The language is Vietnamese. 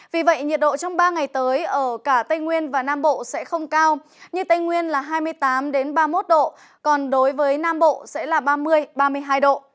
vì vậy nhiệt độ trong ba ngày tới ở cả tây nguyên và nam bộ sẽ không cao như tây nguyên là hai mươi tám ba mươi một độ còn đối với nam bộ sẽ là ba mươi ba mươi hai độ